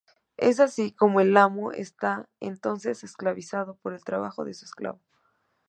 Es así cómo el amo está entonces esclavizado por el trabajo de su esclavo.